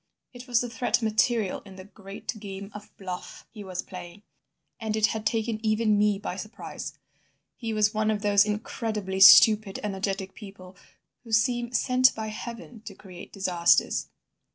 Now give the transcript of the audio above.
It was the threat material in the great game of bluff he was playing, and it had taken even me by surprise. He was one of those incredibly stupid energetic people who seem sent by heaven to create disasters.